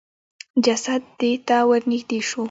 جسد د ته ورنېږدې شو.